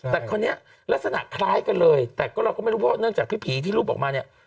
แต่คนนี้ลักษณะคล้ายกันเลยแต่ก็เราก็ไม่รู้เพราะเนื่องจากพี่ผีที่รูปออกมาเนี่ย